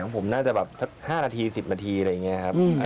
ผมน่าจะแบบ๕๑๐นาทีอะไรอย่างนี้ครับ